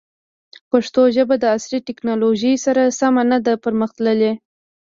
پښتو ژبه د عصري تکنالوژۍ سره سمه نه ده پرمختللې.